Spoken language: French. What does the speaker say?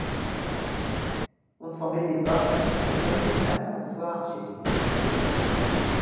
On ne s’embêtait pas, on rigolait du matin au soir, chez lui.